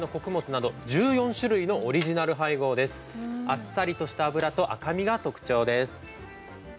あっさりとした脂と赤身が特長です